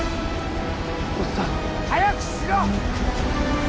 おっさん早くしろ！